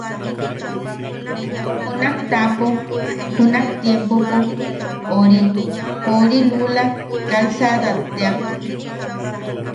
Junak taʼapo junak tiempopo ori Jori lula calsadat teak.